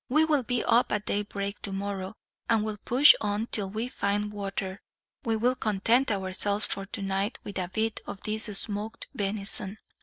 We will be up at daybreak tomorrow, and will push on till we find water. We will content ourselves, for tonight, with a bit of this smoked venison."